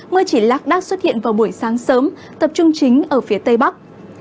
mưa chỉ lắc đắc xuất hiện vào buổi sáng sớm tập trung chính ở phía tây bắc